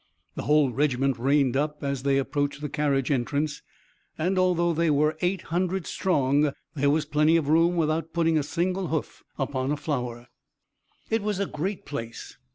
The whole regiment reined up as they approached the carriage entrance, and, although they were eight hundred strong, there was plenty of room without putting a single hoof upon a flower. It was a great place.